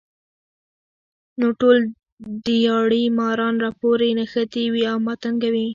نو ټول دیاړي ماران راپورې نښتي وي ـ او ما تنګوي